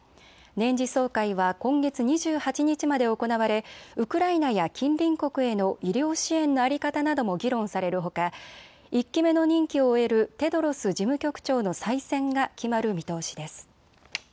年次総会は今月２８日まで行われウクライナや近隣国への医療支援の在り方なども議論されるほか１期目の任期を終えるテドロス事務局長の再選が決まる見通しです。